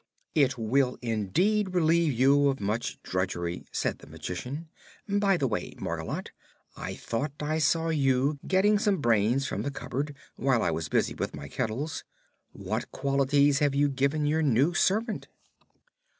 "It will, indeed, relieve you of much drudgery," said the Magician. "By the way, Margolotte, I thought I saw you getting some brains from the cupboard, while I was busy with my kettles. What qualities have you given your new servant?"